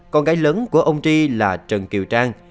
con gái lớn của ông tri là trần kiều trang